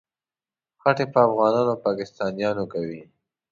خټې په افغانانو او پاکستانیانو کوي.